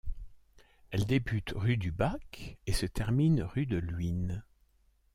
Elle débute rue du Bac et se termine rue de Luynes.